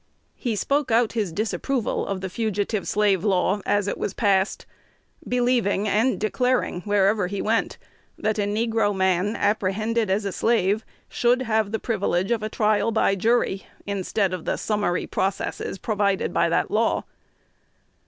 He spoke out his disapproval of the Fugitive Slave Law as it was passed, believing and declaring wherever he went, that a negro man apprehended as a slave should have the privilege of a trial by jury, instead of the summary processes provided by the law.